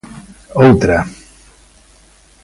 Outra.